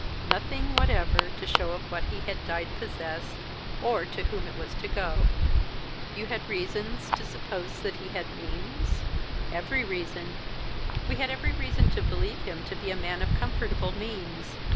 Nothing whatever to show of what he had died possessed, or to whom it was to go.' "'You had reasons to suppose that he had means?' "'Every reason! We had every reason to believe him to be a man of comfortable means.